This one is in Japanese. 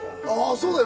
そうだよ